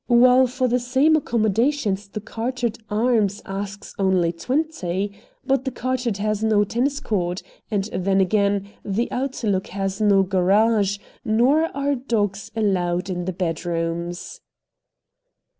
While for the same accommodations the Carteret Arms asks only twenty. But the Carteret has no tennis court; and then again, the Outlook has no garage, nor are dogs allowed in the bedrooms."